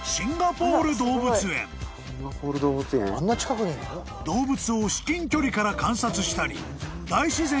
［動物を至近距離から観察したり大自然を体感］